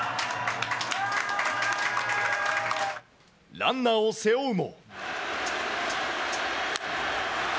ランナーを背負うも。